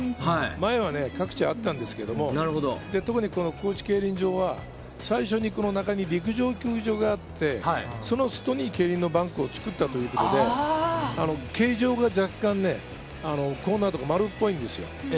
前は各地にあったんですけど、特に、この高知競輪場は最初に中に陸上競技場があって、その外に競輪のバンクを作ったということで、形状が若干、コーナーとか丸っぽいんですよ。